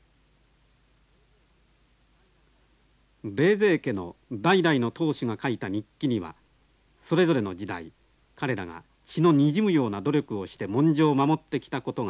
冷泉家の代々の当主が書いた日記にはそれぞれの時代彼らが血のにじむような努力をして文書を守ってきたことが記されています。